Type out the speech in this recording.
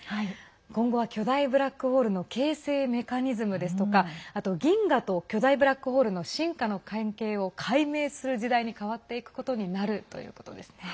今後は巨大ブラックホールの形成メカニズムですとかあと銀河と巨大ブラックホールの進化の関係を解明する時代に変わっていくことになるということですね。